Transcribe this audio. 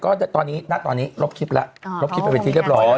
ก็จะตอนนี้หน้าตอนนี้ลบคลิปละลบคลิปเป็นวิธีเรียบร้อย